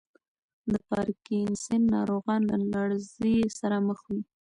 د پارکینسن ناروغان له لړزې سره مخ وي.